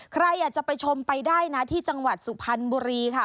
ใครอยากจะไปชมไปได้นะที่จังหวัดสุพรรณบุรีค่ะ